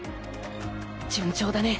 順調だね。